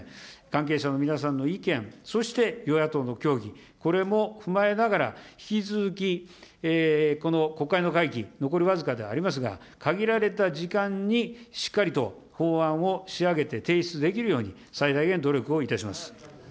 関係者の皆さんの意見、そして与野党の協議、これも踏まえながら、引き続きこの国会の会期、残り僅かではありますが、限られた時間にしっかりと法案を仕上げて、提出できるように、最大限努力をいたします。